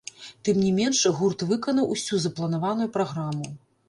Тым не менш гурт выканаў усю запланаваную праграму.